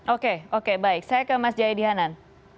oke oke baik saya ke mas jayadi hanan